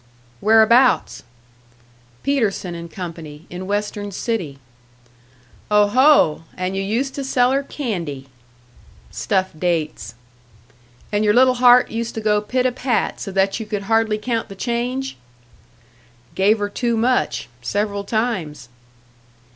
"Whereabouts?" "Peterson and Company, in Western City." "Oho! And you used to sell her candy." "Stuffed dates." "And your little heart used to go pit a pat, so that you could hardly count the change?" "Gave her too much, several times!"